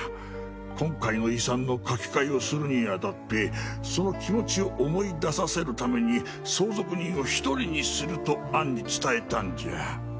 今回の遺産の書き換えをするにあたってその気持ちを思い出させるために相続人を１人にすると暗に伝えたんじゃ。